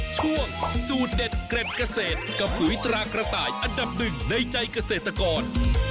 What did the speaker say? ช่วงสูตรเด็ดเกร็ดเกษตรกับปุ๋ยตรากระต่ายอันดับหนึ่งในใจเกษตรกร